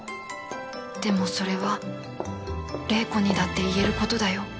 でもそれは玲子にだって言える事だよ